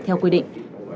theo quy định